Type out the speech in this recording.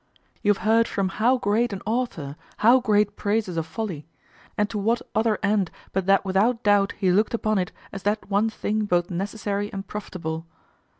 You have heard from how great an author how great praises of folly; and to what other end, but that without doubt he looked upon it as that one thing both necessary and profitable.